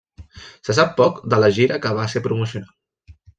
Se sap poc de la gira, que va ser promocional.